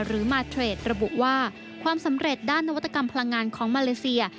หรือมาเทรดระบุว่าความสำเร็จด้านนวัตกรรมพลังงานของมาเลเซีย